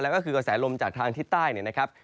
แล้วก็คือกระแสลมจากทางที่ใต้นะครับ